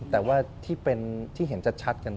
แต่ว่าที่เป็นที่เห็นชัดกัน